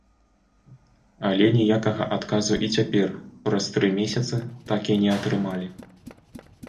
Але ніякага адказу і цяпер, праз тры месяцы, так і не атрымалі.